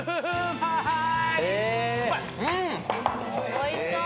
おいしそう。